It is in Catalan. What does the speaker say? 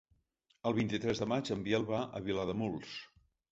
El vint-i-tres de maig en Biel va a Vilademuls.